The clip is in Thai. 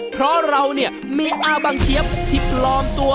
เพราะเรามีอาบางเจี๊ยบที่พร้อมตัว